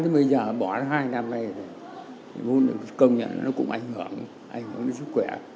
bây giờ bỏ hai năm này hút được công nhận nó cũng ảnh hưởng ảnh hưởng đến sức khỏe